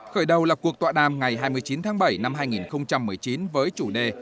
khởi đầu là cuộc tọa đàm ngày hai mươi chín tháng bảy năm hai nghìn một mươi chín với chủ đề